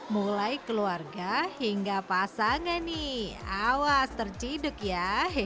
mulai keluarga hingga pasangan nih awas terciduk ya